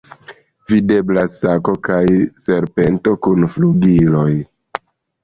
Videblas sako kaj serpento kun flugiloj.